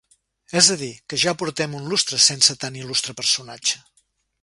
És a dir, que ja portem un lustre sense tan il·lustre personatge.